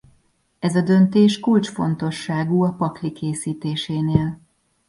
Ez a döntés kulcsfontosságú a pakli készítésénél.